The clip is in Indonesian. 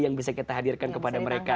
yang bisa kita hadirkan kepada mereka